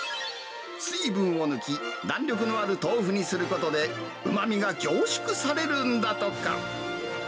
水分を抜き、弾力のある豆腐にすることで、うまみが凝縮されるんだとか。